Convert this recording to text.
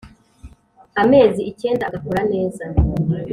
amezi ikenda agakora neza,